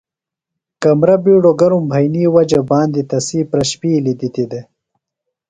کمرہ بِیڈوۡ گرم بھئینی وجہ باندیۡ تسی پرشپِیلیۡ دِتی دےۡ۔